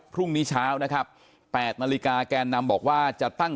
พรุ่งนี้เช้านะครับ๘นาฬิกาแกนนำบอกว่าจะตั้ง